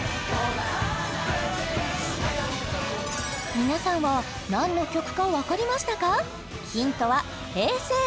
皆さんは何の曲か分かりましたか？